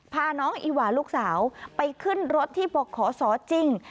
พาน้องอีหวาลูกสาวไปขึ้นรถที่บอกขอสอจริง